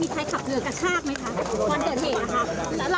มีใครขับเรือกระชากไหมครับ